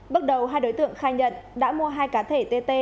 bước đầu hai đối tượng khai nhận đã mua hai cá thể tt